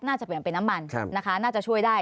น่าจะเปลี่ยนเป็นน้ำมันนะคะน่าจะช่วยได้